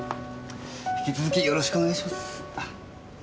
引き続きよろしくお願いします。